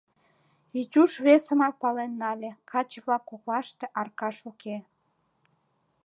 Витюш весымат пален нале: каче-влак коклаште Аркаш уке.